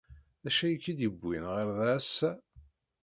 D acu ay k-id-yewwin ɣer da ass-a?